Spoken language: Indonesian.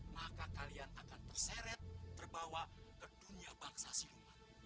maka kalian akan terseret terbawa ke dunia bangsa siluman